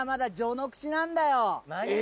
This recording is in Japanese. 何？